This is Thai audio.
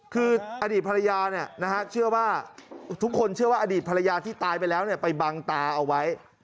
คืออดีตภรรยาที่ตายไปแล้วไปบังตาเอาไว้